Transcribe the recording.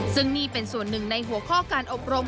ซึ่งนี่เป็นส่วนหนึ่งในหัวข้อการอบรม